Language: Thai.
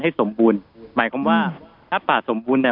ให้สมบูรณ์หมายความว่าถ้าป่าสมบูรณ์